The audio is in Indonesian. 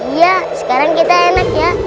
iya sekarang kita enak ya